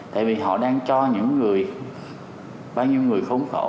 tại vì họ đang cho những người bao nhiêu người khốn khổ